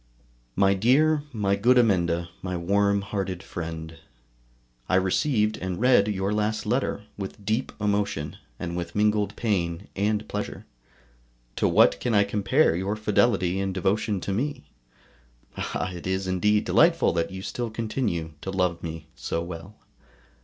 MY DEAR, MY GOOD AMENDA, MY WARM HEARTED FRIEND, I received and read your last letter with deep emotion, and with mingled pain and pleasure. To what can I compare your fidelity and devotion to me? Ah! it is indeed delightful that you still continue to love me so well.